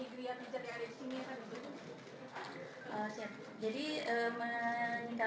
pijatan hotel ya